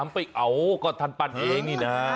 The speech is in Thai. ๓ปีเอ้าก็ทันปั้นเองนี่นะ